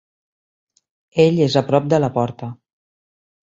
Ell és a prop de la porta.